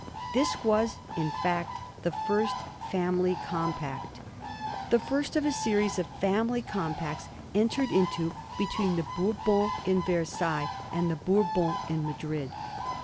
This was, in fact, the first family compact, the first of a series of family com pacts, entered into between the Bourbons in Versailles and the Bourbons in Madrid.